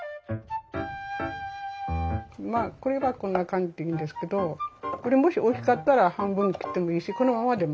まあこれはこんな感じでいいんですけどこれもし大きかったら半分に切ってもいいしこのままでも。